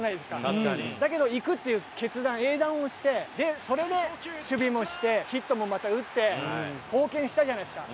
だけど行くっていう決断英断をしてそれで守備もしてヒットもまた打って貢献したじゃないですか。